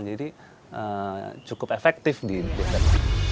jadi cukup efektif di dekat